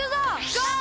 ゴー！